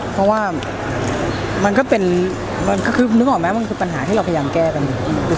เพราะว่ามันก็เป็นคือนึกออกไหมมันคือปัญหาที่เราพยายามแก้กันอยู่